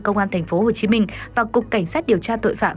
công an thành phố hồ chí minh và cục cảnh sát điều tra tội phạm